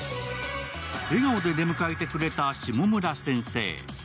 笑顔で出迎えてくれた下村先生。